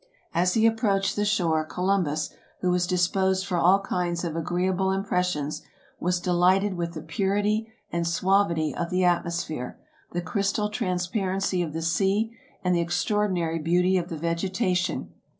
As he approached the shore, Columbus, who was dis posed for all kinds of agreeable impressions, was delighted with the purity and suavity of the atmosphere, the crystal transparency of the sea, and the extraordinary beauty of the vegetation.